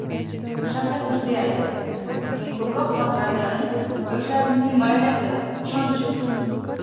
Shavkat Mirziyoyev: Meni ko‘proq quvontiradigani yoshlarimizning malakasi, ishonchi